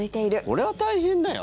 これは大変だよ。